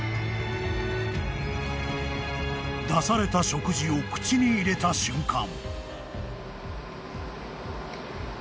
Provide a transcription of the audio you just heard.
［出された食事を口に入れた瞬間］